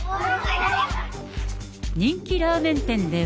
人気ラーメン店では。